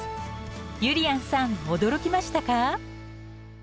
ゆりやんさん驚きましたか？